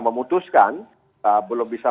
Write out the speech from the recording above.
memutuskan belum bisa